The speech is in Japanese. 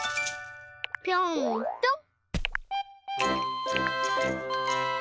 ぴょんぴょん。